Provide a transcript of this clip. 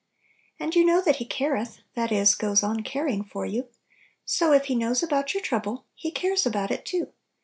And you know that He careth (that is, goes on caring) for you; so, if He knows about your trouble, He cares about it too.